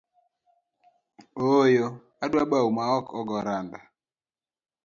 Ooyo, adwa bau maok ogo randa.